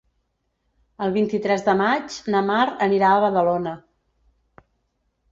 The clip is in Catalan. El vint-i-tres de maig na Mar anirà a Badalona.